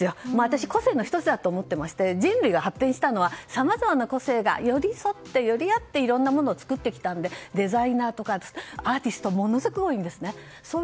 私、個性の１つだと思ってまして人類が発展したのはさまざまな個性が寄り添って、寄り合っていろんなものを作ってきたのでデザイナーとかアーティストとかものすごい多いんですね。